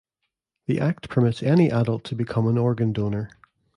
The Act permits any adult to become an organ donor.